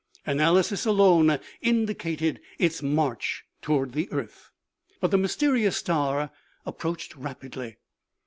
Analysis alone indicated its march toward the earth. But the mysterious star approached rapidly.